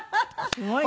すごいね。